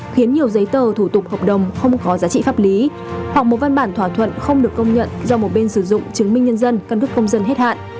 khiến nhiều giấy tờ thủ tục hợp đồng không có giá trị pháp lý hoặc một văn bản thỏa thuận không được công nhận do một bên sử dụng chứng minh nhân dân cân cước công dân hết hạn